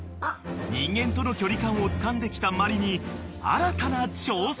［人間との距離感をつかんできたマリに新たな挑戦が］